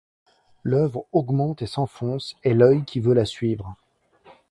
L’œuvre augmente et s’enfonce, et l’œil qui veut la suivre